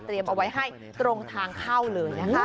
เอาไว้ให้ตรงทางเข้าเลยนะคะ